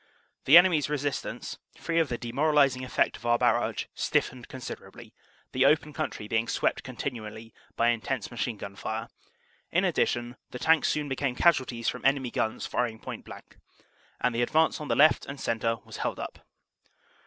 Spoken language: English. The enemy s resistance, free of the demoralizing effect of our barrage, stif fened considerably, the open country being swept continually by intense machine gun fire. In addition, the Tanks soon became casualties from enemy guns firing point blank, and the advance on the left and centre was held up.